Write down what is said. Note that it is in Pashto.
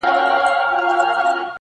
پوهه د انسان ارزښت څو برابره کوي!